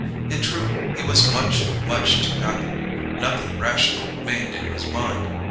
In truth, he was much, much too happy; nothing rational remained in his mind.